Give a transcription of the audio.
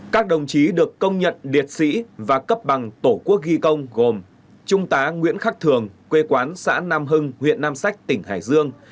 các đồng chí được công nhận liệt sĩ và cấp bằng tổ quốc ghi công gồm trung tá nguyễn khắc thường quê quán xã nam hưng huyện nam sách tỉnh hải dương